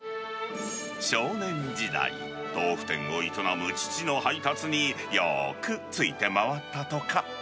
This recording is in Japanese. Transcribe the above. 少年時代、豆腐店を営む父の配達に、よーくついて回ったとか。